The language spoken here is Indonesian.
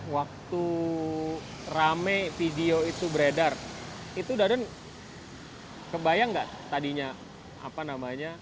waktu rame video itu beredar itu daden kebayang nggak tadinya apa namanya